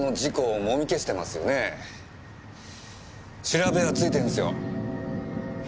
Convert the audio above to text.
調べはついてるんすよ。